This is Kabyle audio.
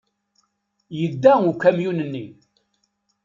Yedda ukamyun-nni.